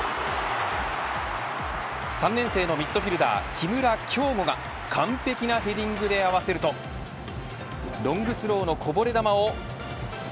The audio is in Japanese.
３年生のミッドフィルダー木村匡吾が完璧なヘディングで合わせるとロングスローのこぼれ球を。